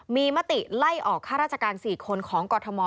มีมติไล่ออกข้าราชการ๔คนของกรทม